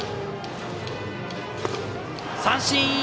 三振！